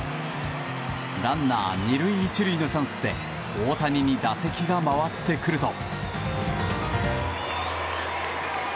ランナー２塁１塁のチャンスで大谷に打席が回ってくると。